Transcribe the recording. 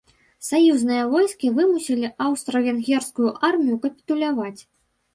Саюзныя войскі вымусілі аўстра-венгерскую армію капітуляваць.